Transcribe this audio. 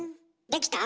できた？